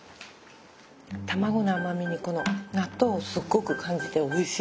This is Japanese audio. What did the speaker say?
卵の甘みにこの納豆をすっごく感じておいしい。